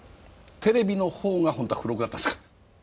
テレビのほうが本当は付録だったんですか？